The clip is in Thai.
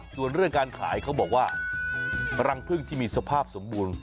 ส่วนเรื่องการขายเขาบอกว่ารังพึ่งที่มีสภาพสมบูรณ์